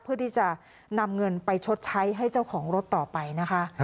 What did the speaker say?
เพื่อที่จะนำเงินไปชดใช้ให้เจ้าของรถต่อไปนะคะ